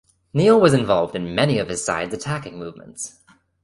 Neal was involved in many of his sides attacking movements.